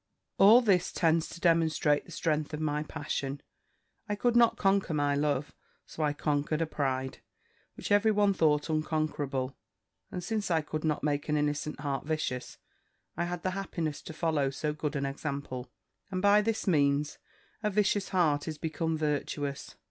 "All this tends to demonstrate the strength of my passion: I could not conquer my love; so I conquered a pride, which every one thought unconquerable; and since I could not make an innocent heart vicious, I had the happiness to follow so good an example; and by this means, a vicious heart is become virtuous.